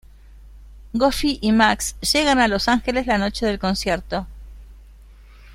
Goofy y Max llegan a Los Ángeles la noche del concierto.